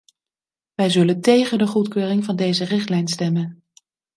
Wij zullen tegen de goedkeuring van deze richtlijn stemmen.